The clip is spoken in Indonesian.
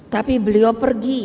tapi beliau pergi